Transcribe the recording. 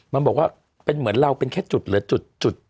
มันบอกว่าเป็นเหมือนเราเป็นแค่จุดหรือจุด